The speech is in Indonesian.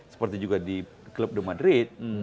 seperti juga di club de madrid